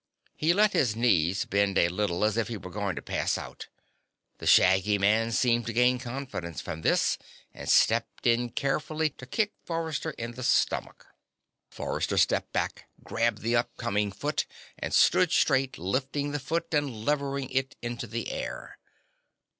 He let his knees bend a little, as if he were going to pass out. The shaggy man seemed to gain confidence from this, and stepped in carefully to kick Forrester in the stomach. Forrester stepped back, grabbed the upcoming foot, and stood straight, lifting the foot and levering it into the air.